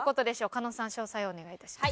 加納さん詳細をお願いいたします。